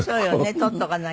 取っとかなきゃ。